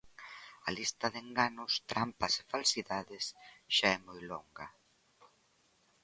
A lista de enganos, trampas e falsidades xa é moi longa.